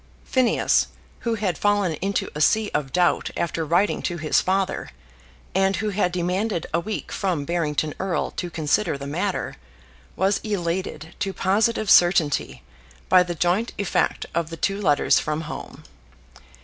Phineas, who had fallen into a sea of doubt after writing to his father, and who had demanded a week from Barrington Erle to consider the matter, was elated to positive certainty by the joint effect of the two letters from home.